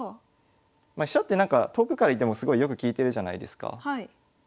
飛車って遠くからいてもすごいよく利いてるじゃないですか。